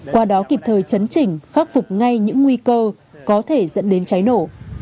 qua đó kịp thời chấn chỉnh khắc phục ngay những nguy cơ có thể dẫn đến cháy nổ